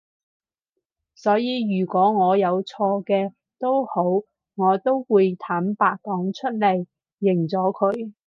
所以如果我有錯嘅都好我都會坦白講出嚟，認咗佢